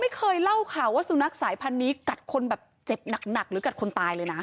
ไม่เคยเล่าข่าวว่าสุนัขสายพันธุ์นี้กัดคนแบบเจ็บหนักหรือกัดคนตายเลยนะ